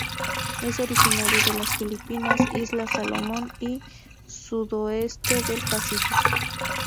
Es originario de las Filipinas, Islas Salomón y sudoeste del Pacífico.